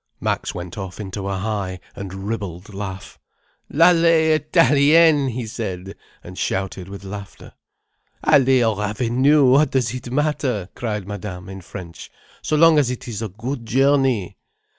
Max went off into a high and ribald laugh. "L'allée italienne!" he said, and shouted with laughter. "Alley or avenue, what does it matter," cried Madame in French, "so long as it is a good journey."